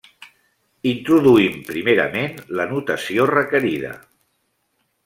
Introduïm primerament la notació requerida.